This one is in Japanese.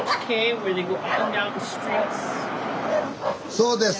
そうです。